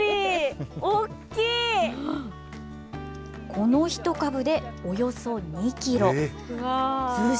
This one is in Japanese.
この１株でおよそ２キロ。